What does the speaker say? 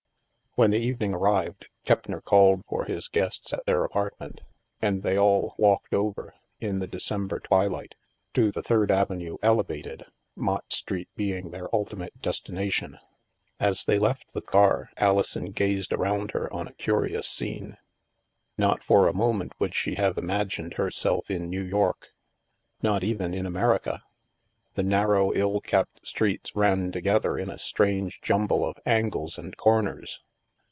When the evening arrived, Keppner called for his guests at their apartment, and they all walked over, in the December twilight, to the Third Avenue ele vated, Mott Street being their ultimate destination. As they left the car, Alison gazed around her on a curious scene. Not for a moment would she have imagined herself in New York ! Not even in Amer ica! The narrow ill kept streets ran together in a strange jumble of angles and comers.